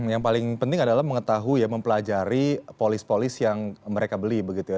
yang paling penting adalah mengetahui ya mempelajari polis polis yang mereka beli begitu ya